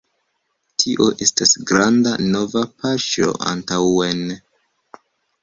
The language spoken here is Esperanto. Tio estas granda nova paŝo antaŭen